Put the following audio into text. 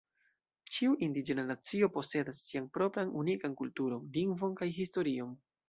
Ĉiu indiĝena nacio posedas sian propran unikan kulturon, lingvon, kaj historion.